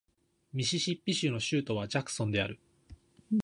ミシシッピ州の州都はジャクソンである